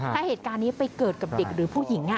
ถ้าเหตุการณ์นี้ไปเกิดกับเด็กหรือผู้หญิง